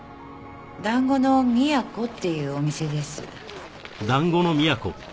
「団子のみやこ」っていうお店です。